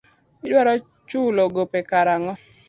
Idwaro chulo gope kar ang'o.